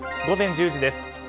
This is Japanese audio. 午前１０時です。